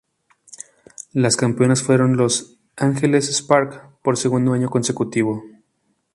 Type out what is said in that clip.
Las campeonas fueron Los Angeles Sparks, por segundo año consecutivo.